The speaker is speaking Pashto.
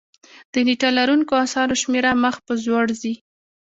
د نېټه لرونکو اثارو شمېر مخ په ځوړ ځي.